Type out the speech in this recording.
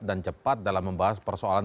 dan cepat dalam membahas persoalan